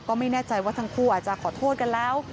ก็ไม่แน่ใจว่าทั้งคู่อาจจะขอโทษกันแล้ว